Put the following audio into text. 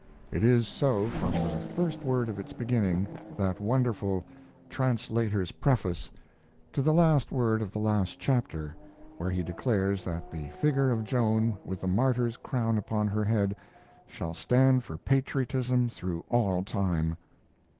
It is so from the first word of its beginning, that wonderful "Translator's Preface," to the last word of the last chapter, where he declares that the figure of Joan with the martyr's crown upon her head shall stand for patriotism through all time.